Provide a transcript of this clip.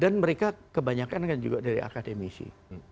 dan mereka kebanyakan kan juga dari akademisi